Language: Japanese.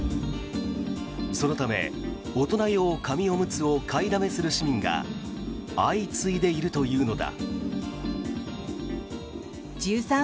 そのため、大人用紙おむつを買いだめする市民が相次いでいるというのだ。